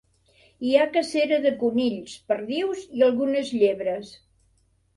Hi ha cacera de conills, perdius i algunes llebres.